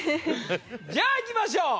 じゃあいきましょう！